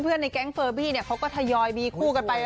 ในแก๊งเฟอร์บี้เขาก็ทยอยมีคู่กันไป